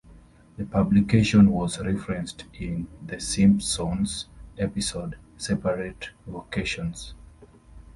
The publication was referenced in "The Simpsons" episode "Separate Vocations".